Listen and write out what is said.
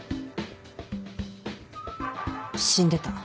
死んでた。